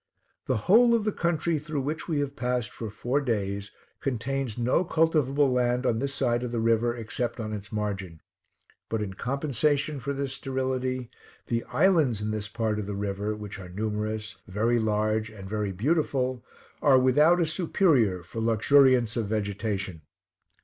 The whole of the country through which we have passed for four days contains no cultivable land on this side of the river, except on its margin; but in compensation for this sterility, the islands in this part of the river, which are numerous, very large, and very beautiful, are without a superior for luxuriance of vegetation.